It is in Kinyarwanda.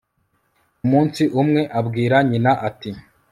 umunsi umwe abwira nyina, ati